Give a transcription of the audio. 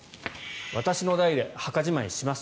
私の代で墓じまいします。